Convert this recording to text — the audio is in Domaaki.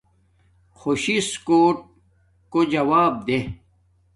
خوش سس کوٹ کوجوب دے